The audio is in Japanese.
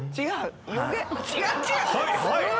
違う！